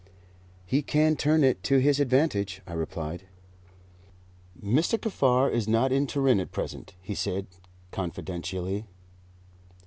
"He can turn it to his advantage," I replied. "Mr. Kaffar is not in Turin at present," he said confidentially.